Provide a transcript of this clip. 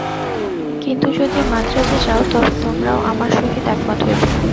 কিন্তু যদি মান্দ্রাজে যাও, তবে তোমরাও আমার সহিত একমত হইবে।